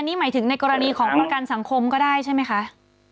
นี่หมายถึงในกรณีของประกันสังคมก็ได้ใช่ไหมคะ